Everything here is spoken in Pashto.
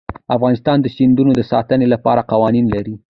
افغانستان د سیندونه د ساتنې لپاره قوانین لري.